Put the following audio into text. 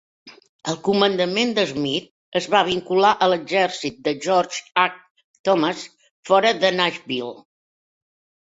El comandament de Smith es va vincular a l'exèrcit de George H. Thomas fora de Nashville.